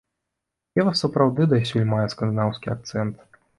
Ева сапраўды дасюль мае скандынаўскі акцэнт.